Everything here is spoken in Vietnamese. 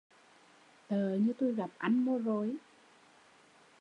Tợ như tui gặp anh mô rồi